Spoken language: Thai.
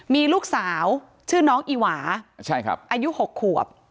มีลูกสาวชื่อน้องอีหวาอายุ๖ขวบ